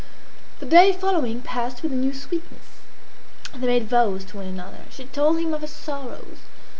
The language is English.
The day following passed with a new sweetness. They made vows to one another She told him of her sorrows.